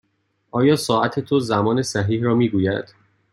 آیا ساعت تو زمان صحیح را می گوید؟